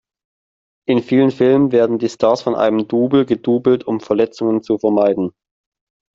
In vielen Filmen werden die Stars von einem Double gedoublet um Verletzungen zu vermeiden.